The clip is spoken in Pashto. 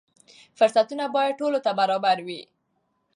فرصتونه باید ټولو ته برابر وي.